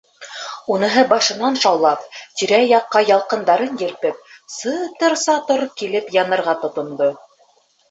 Уныһы башынан шаулап, тирә-яҡҡа ялҡындарын елпеп, сытыр-сатор килеп янырға тотондо.